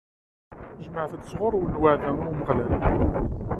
Jemɛet-d sɣur-wen lweɛda i Umeɣlal.